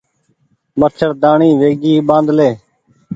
مڇهرداڻي ويگي ٻآڌلي